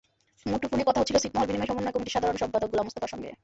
মুঠোফোনে কথা হচ্ছিল ছিটমহল বিনিময় সমন্বয় কমিটির সাধারণ সম্পাদক গোলাম মোস্তফার সঙ্গে।